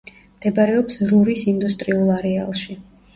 მდებარეობს რურის ინდუსტრიულ არეალში.